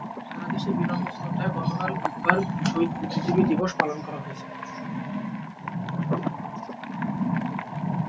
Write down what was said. সারা দেশে বিনম্র শ্রদ্ধায় গতকাল বুধবার শহীদ বুদ্ধিজীবী দিবস পালন করা হয়েছে।